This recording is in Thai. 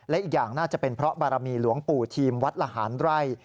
และอีกอย่างน่าจะเป็นเพราะบารมีหลวงปู่ทีมวัดละหารไร่